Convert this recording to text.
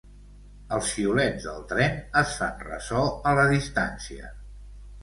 Els xiulets del tren es fan ressò a la distància.